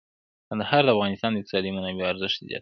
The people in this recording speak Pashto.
کندهار د افغانستان د اقتصادي منابعو ارزښت زیاتوي.